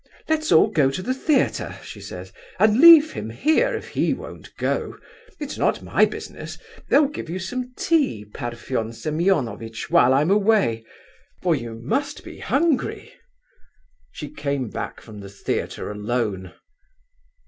'Let's all go to the theatre,' she says, 'and leave him here if he won't go—it's not my business. They'll give you some tea, Parfen Semeonovitch, while I am away, for you must be hungry.' She came back from the theatre alone.